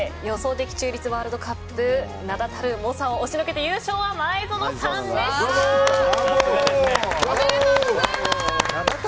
的中率ワールドカップ名だたる猛者を押しのけて優勝は前園さんでした。